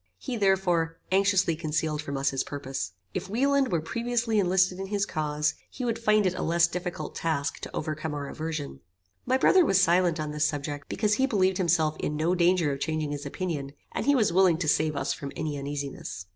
He, therefore, anxiously concealed from us his purpose. If Wieland were previously enlisted in his cause, he would find it a less difficult task to overcome our aversion. My brother was silent on this subject, because he believed himself in no danger of changing his opinion, and he was willing to save us from any uneasiness.